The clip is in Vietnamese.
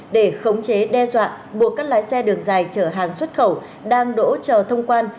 để khống chế đe dọa buộc các lái xe đường dài chở hàng xuất khẩu đang đỗ chờ thông quan